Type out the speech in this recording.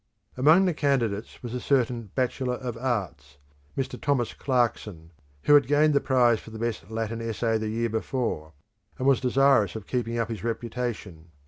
] Among the candidates was a certain bachelor of arts, Mr. Thomas Clarkson, who had gained the prize for the best Latin essay the year before, and was desirous of keeping up his reputation.